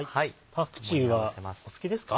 パクチーはお好きですか？